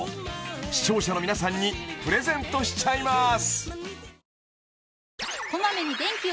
視聴者の皆さんにプレゼントしちゃいます